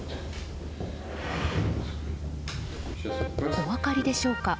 お分かりでしょうか。